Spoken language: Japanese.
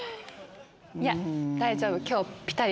いや大丈夫！